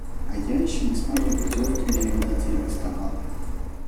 А я еще бесплатные путевки для его детей доставала!